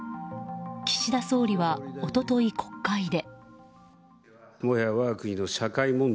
岸田総理は一昨日、国会で。